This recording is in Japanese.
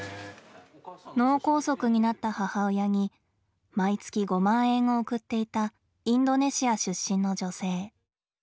脳梗塞になった母親に毎月５万円を送っていたインドネシア出身の女性。